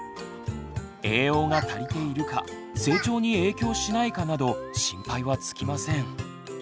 栄養が足りているか成長に影響しないかなど心配は尽きません。